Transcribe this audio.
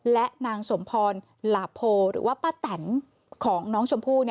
และนางสมพรหรือว่าประตัญของน้องชมพู่